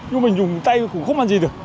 nhưng mình dùng tay cũng không làm gì được